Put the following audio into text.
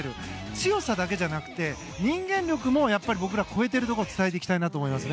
強さだけじゃなくて人間力も僕ら、超えているところを伝えていきたいと思います。